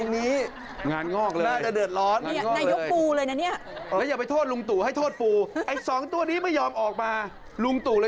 นี่คือตัวใหญ่นี่แหละ